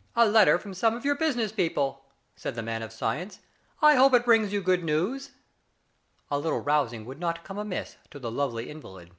" A letter from some of your business people," said the man of science. " I hope it brings you good news." A little rousing would not come amiss to the lovely invalid.